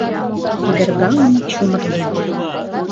Кудыргалын чумырген;